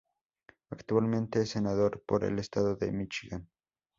Actualmente es senador por el estado de Míchigan.